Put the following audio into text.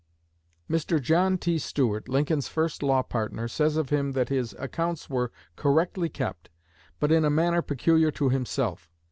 Mr. John T. Stuart, Lincoln's first law partner, says of him that his accounts were correctly kept, but in a manner peculiar to himself.